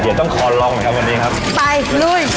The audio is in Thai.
เนี้ยต้องคอยลองกับความหนึ่งครับไปด้วย